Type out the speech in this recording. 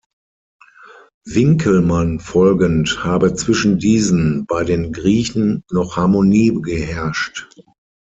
Winckelmann folgend habe zwischen diesen bei den Griechen noch Harmonie geherrscht.